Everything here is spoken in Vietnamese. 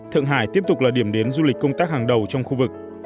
thượng hải tiếp tục là điểm đến du lịch công tác hàng đầu trong khu vực